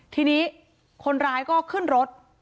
ทีนี้คนร้ายก็ขึ้นรถ